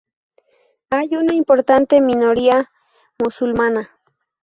Hay una importante minoría musulmana.